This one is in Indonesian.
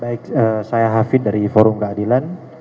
baik saya hafid dari forum keadilan